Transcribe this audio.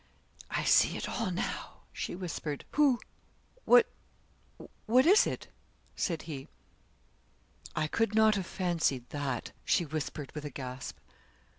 'I see it all now,' she whispered. 'Who what what is it?' said he. 'I could not have fancied that,' she whispered with a gasp.